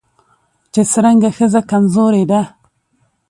چې څرنګه ښځه کمزورې ده